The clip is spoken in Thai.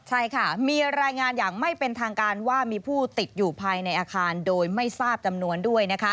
ใช่ค่ะมีรายงานอย่างไม่เป็นทางการว่ามีผู้ติดอยู่ภายในอาคารโดยไม่ทราบจำนวนด้วยนะคะ